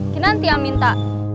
ki nanti yang minta